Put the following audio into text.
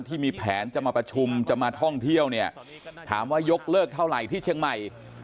ที่มีแผนจะมาประชุมจะมาท่องเที่ยวเนี่ยถามว่ายกเลิกเท่าไหร่ที่เชียงใหม่